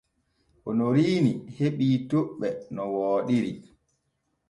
Onoriini heɓii toɓɓe no wooɗiri.